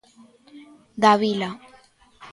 Davila.